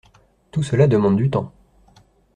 Tout cela demande du temps.